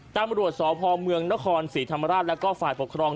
ตำรวจสพเมืองนครศรีธรรมราชแล้วก็ฝ่ายปกครอง